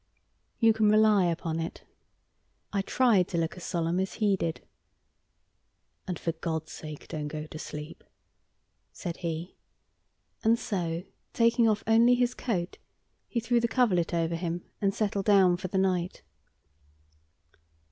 "You can rely upon it." I tried to look as solemn as he did. "And for God's sake don't go to sleep," said he, and so, taking off only his coat, he threw the coverlet over him and settled down for the night.